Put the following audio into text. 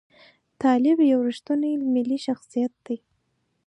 طالب یو ریښتونی ملي شخصیت دی.